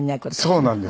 そうなんですよ。